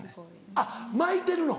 あっ巻いてるの？